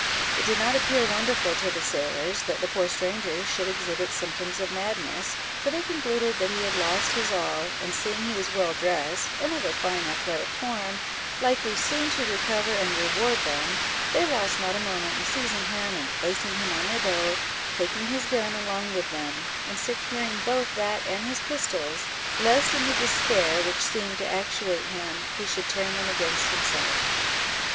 It did not appear wonderful to the sailors, that the poor stranger should exhibit symptoms of madness, for they concluded that he had lost his all; and seeing he was well dressed, and of a fine athletic form, likely soon to recover and reward them, they lost not a moment in seizing him, and placing him in their boat, taking his gun along with them, and securing both that and his pistols, lest in the despair which seemed to actuate him, he should turn them against himself.